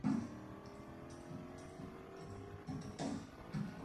Fueron utilizadas especialmente por fotógrafos aficionados de todo el mundo.